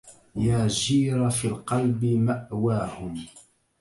يا جيرة في القلب مأواهم